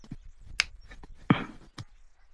افغانستان د سیلابونه د پلوه ځانته ځانګړتیا لري.